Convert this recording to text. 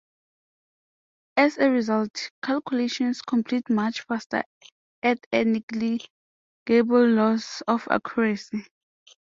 As a result, calculations complete much faster at a negligible loss of accuracy.